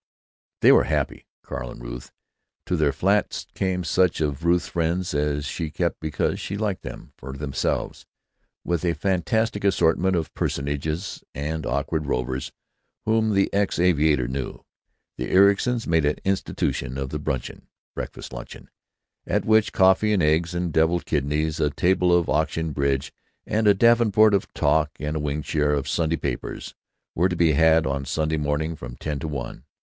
They were happy, Carl and Ruth. To their flat came such of Ruth's friends as she kept because she liked them for themselves, with a fantastic assortment of personages and awkward rovers whom the ex aviator knew. The Ericsons made an institution of "bruncheon"—breakfast luncheon—at which coffee and eggs and deviled kidneys, a table of auction bridge and a davenport of talk and a wing chair of Sunday papers, were to be had on Sunday morning from ten to one.